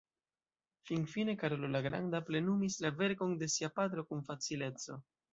Finfine Karolo la Granda plenumis la verkon de sia patro kun facileco.